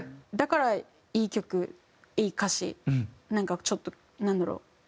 だからいい曲いい歌詞なんかちょっとなんだろう？